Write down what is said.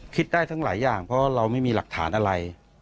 ได้ทั้งหลายอย่างเพราะเราไม่มีหลักฐานอะไร